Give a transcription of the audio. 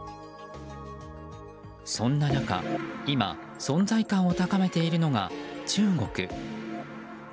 そんな中、今存在感を高めているのが中国。